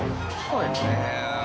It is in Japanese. そうですね。